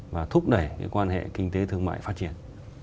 và thúc đẩy quan hệ kinh tế thương mại phát triển